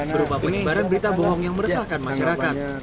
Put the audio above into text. berupa penyebaran berita bohong yang meresahkan masyarakat